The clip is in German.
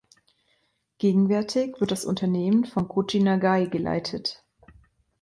Gegenwärtig wird das Unternehmen von Koji Nagai geleitet.